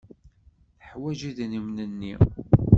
Teḥwaj idrimen-nni.